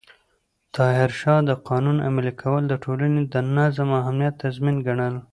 ظاهرشاه د قانون عملي کول د ټولنې د نظم او امنیت تضمین ګڼل.